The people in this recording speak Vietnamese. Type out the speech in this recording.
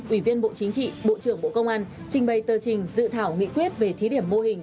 ủy viên bộ chính trị bộ trưởng bộ công an trình bày tờ trình dự thảo nghị quyết về thí điểm mô hình